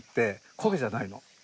焦げじゃないの？